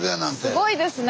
すごいですね。